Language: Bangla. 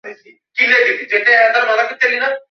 বোধ হয় তাহার কাছে তাহার আর একখানা নকল থাকে।